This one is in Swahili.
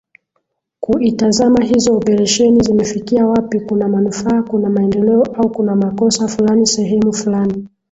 kuitazama hizo operesheni zimefikia wapi kuna manufaa kuna maendeleo au kunamakosa fulani sehemu fulani